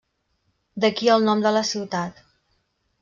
D'aquí el nom de la ciutat.